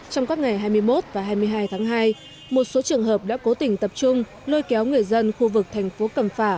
trong các ngày hai mươi một và hai mươi hai tháng hai một số trường hợp đã cố tình tập trung lôi kéo người dân khu vực thành phố cẩm phả